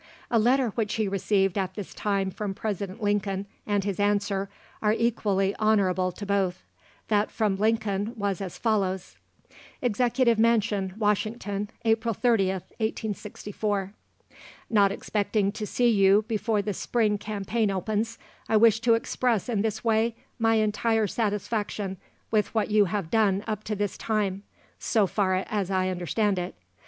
A letter which he received at this time from President Lincoln, and his answer, are equally honourable to both. That from Lincoln was as follows: "EXECUTIVE MANSION, WASHINGTON, "April 30th, 1864. "Not expecting to see you before the spring campaign opens, I wish to express in this way my entire satisfaction with what you have done up to this time, so far as I understand it.